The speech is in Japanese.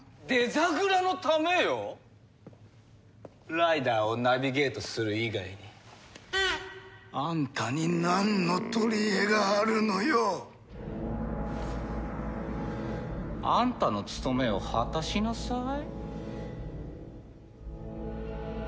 ライダーをナビゲートする以外にあんたになんの取りえがあるのよ！あんたの務めを果たしなさい。